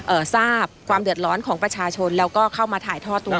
ทราบความเดือดร้อนของประชาชนแล้วก็เข้ามาถ่ายทอดตัว